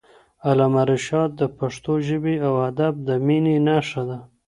علامه رشاد د پښتو ژبې او ادب د مینې نښه ده.